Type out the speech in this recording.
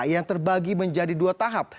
yang terbagi menjadi dua tahap